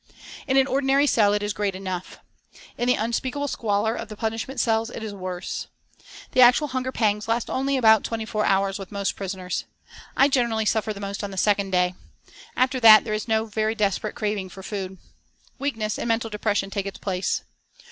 In an ordinary cell it is great enough. In the unspeakable squalor of the punishment cells it is worse. The actual hunger pangs last only about twenty four hours with most prisoners. I generally suffer most on the second day. After that there is no very desperate craving for food. Weakness and mental depression take its place.